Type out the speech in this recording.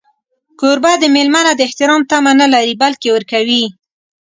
کوربه د مېلمه نه د احترام تمه نه لري، بلکې ورکوي.